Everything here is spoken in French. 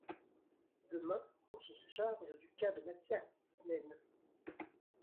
Demain, on se charge du cas de Mathias, naine !